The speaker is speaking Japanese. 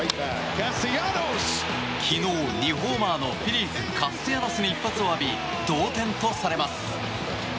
昨日、２ホーマーのフィリーズ、カステヤノスに一発を浴び、同点とされます。